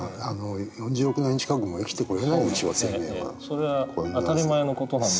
それは当たり前の事なんです。